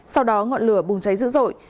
sau đó ngọn lửa bùng cháy dữ dội